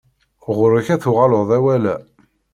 Ɣuṛ-k ad tuɣaleḍ awal-a.